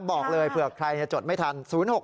บอกเลยเผื่อใครจดไม่ทัน